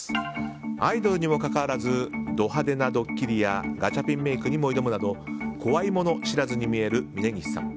アイドルにもかかわらずド派手なドッキリやガチャピンメイクにも挑むなど怖いもの知らずに見える峯岸さん。